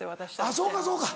あっそうかそうか。